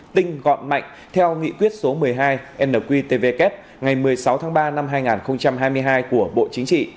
tinh gọn mạnh theo nghị quyết số một mươi hai nqtvk ngày một mươi sáu tháng ba năm hai nghìn hai mươi hai của bộ chính trị